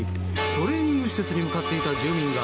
トレーニング施設に向かっていた住民が